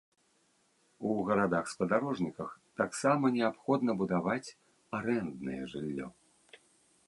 У гарадах-спадарожніках таксама неабходна будаваць арэнднае жыллё.